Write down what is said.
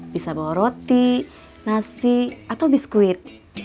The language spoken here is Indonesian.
bisa bawa roti nasi atau biskuit